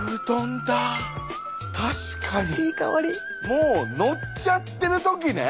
もう載っちゃってる時ね。